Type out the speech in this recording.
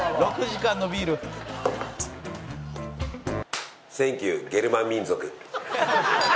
「６時間のビール」センキューゲルマン民族！